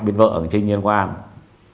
bên vợ ở nguyên quán thằng trinh